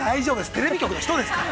テレビ局の人ですから。